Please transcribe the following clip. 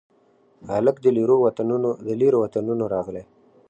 هلک د لیرو وطنونو راغلي